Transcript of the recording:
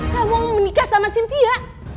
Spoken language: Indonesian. kamu menikah sama cynthia